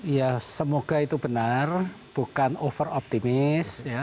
ya semoga itu benar bukan over optimis